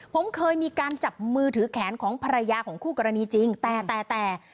ผมเคยมีการจับมือถือแขนของภรรยาของคู่กรณีจริงแต่แต่